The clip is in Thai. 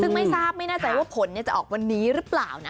ซึ่งไม่ทราบไม่แน่ใจว่าผลจะออกวันนี้หรือเปล่านะ